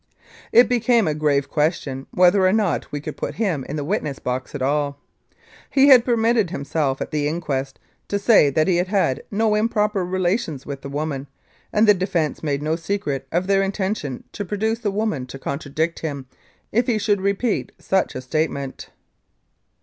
It became a grave question whether or not we could put him in the witness box at all. He had permitted himself at the inquest to say that he had had no im proper relations with the woman, and the defence made no secret of their intention to produce the woman to contradict him if he should repeat such a statement.